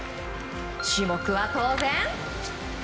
種目は当然。